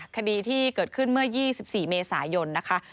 คดีที่เกิดขึ้นเมื่อ๒๔เมษายนนะคะ